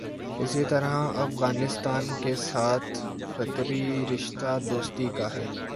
اسی طرح افغانستان کے ساتھ فطری رشتہ دوستی کا ہے۔